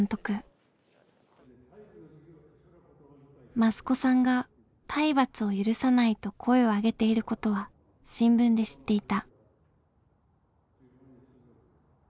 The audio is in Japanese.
益子さんが「体罰を許さない」と声を上げていることは新聞で知っていた。